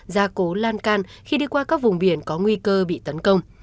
gia cố lan can khi đi qua các vùng biển có nguy cơ bị tấn công